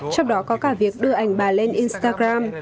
trong đó có cả việc đưa ảnh bà lên instagram